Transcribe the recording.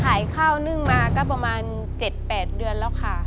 ขายข้าวนึ่งมาก็ประมาณ๗๘เดือนแล้วค่ะ